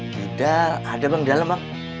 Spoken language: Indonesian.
kidal ada bang di dalam bang